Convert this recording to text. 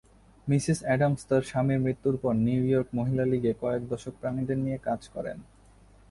Mrs Adams তার স্বামীর মৃত্যুর পর নিউ ইয়র্ক মহিলা লিগে কয়েক দশক প্রাণীদের নিয়ে কাজ করেন।